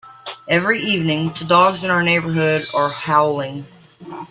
Every evening, the dogs in our neighbourhood are howling.